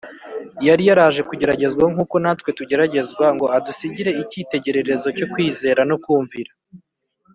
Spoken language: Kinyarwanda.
Yari yaraje kugeragezwa nk’uko natwe tugeragezwa, ngo adusigire icyitegererezo cyo kwizera no kumvira.